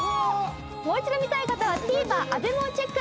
もう一度見たい方はＴＶｅｒＡＢＥＭＡをチェック。